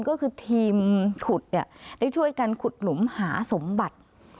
ก็คือทีมขุดเนี่ยได้ช่วยกันขุดหลุมหาสมบัติ